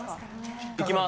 いきます。